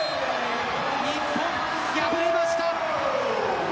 日本、敗れました。